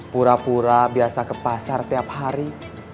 pura pura biasa ke pasar tiap hari